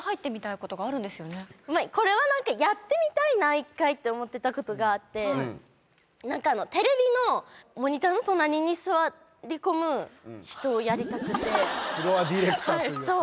これはやってみたいな１回って思ってたことがあってテレビのモニターの隣に座り込む人をやりたくてフロアディレクターっていうやつね